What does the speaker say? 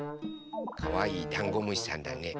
かわいいダンゴムシさんだね。